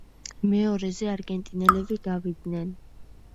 მეორეზე არგენტინელები გავიდნენ.